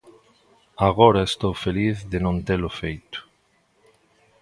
Agora estou feliz de non telo feito.